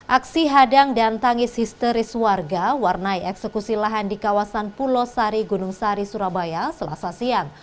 aksi hadang dan tangis histeris warga warnai eksekusi lahan di kawasan pulau sari gunung sari surabaya selasa siang